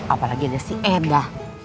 apalagi ada si eda